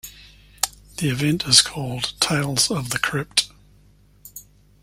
The event is called "Tales of the Crypt".